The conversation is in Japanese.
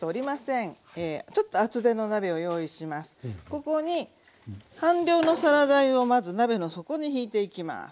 ここに半量のサラダ油をまず鍋の底にひいていきます。